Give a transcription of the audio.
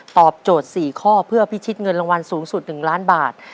โจทย์๔ข้อเพื่อพิชิตเงินรางวัลสูงสุด๑ล้านบาท